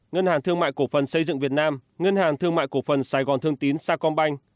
ngân hàng thương mại cổ phần xây dựng việt nam ngân hàng thương mại cổ phần sài gòn thương tín sa công banh